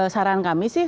saran kami sih